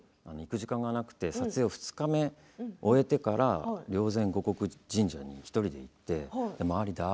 行く時間がなくて撮影２日目、終えてから霊山護国神社に１人で行って周り